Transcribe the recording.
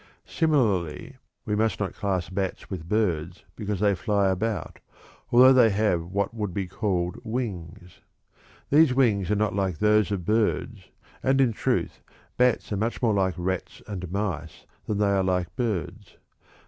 Similarly, we must not class bats with birds because they fly about, although they have what would be called wings; these wings are not like those of birds, and, in truth, bats are much more like rats and mice than they are like birds.